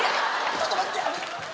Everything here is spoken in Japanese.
ちょっと待って！